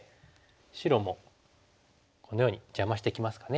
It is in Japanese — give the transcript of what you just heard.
白もこのように邪魔してきますかね。